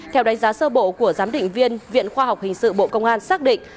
theo đánh giá sơ bộ của giám định viên viện khoa học hình sự bộ công an xác định